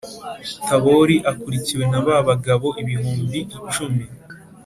Tabori akurikiwe na ba bagabo ibihumbi icumi